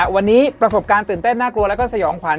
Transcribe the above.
วันนี้ประสบการณ์ตื่นเต้นน่ากลัวแล้วก็สยองขวัญ